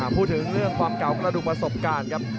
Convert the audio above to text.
พูดถึงเรื่องความเก่ากระดูกประสบการณ์ครับ